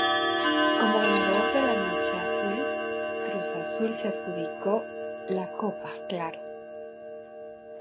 Como ganador de la Noche Azul, Cruz Azul se adjudicó la Copa Claro.